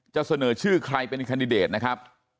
จะเสนอชื่อใครเป็นคันดิเดตนะครับ